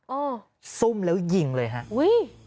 ซุ่มแล้วยิงเลยฮะอุ้ย